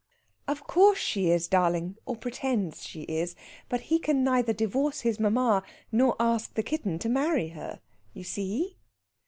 "Of course she is, darling; or pretends she is. But he can neither divorce his mamma nor ask the kitten to marry her. You see?"